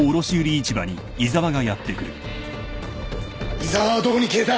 井沢はどこに消えた？